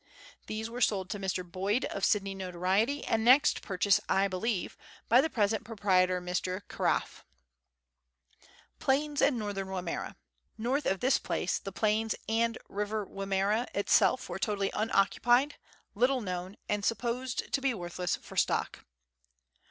These were sold to Mr. Boyd, of Sydney notoriety, and next purchased, I believe, by the present proprietor, Mr. Carfrae. Plains and Northern Wimmera. North of this place, the plains and River Wimmera itself were totally unoccupied, little known, and supposed to be worthless for stock.